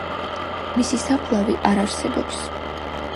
მისი საფლავი არ არსებობს.